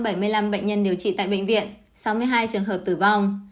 sáu trăm bảy mươi năm bệnh nhân điều trị tại bệnh viện sáu mươi hai trường hợp tử vong